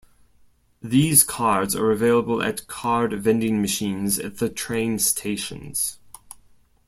These cards are available at card vending machines at the train stations.